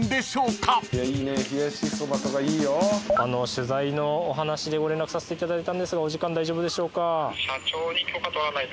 取材のお話でご連絡させていただいたんですがお時間大丈夫でしょうか。